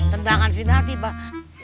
tendangan si nati mbak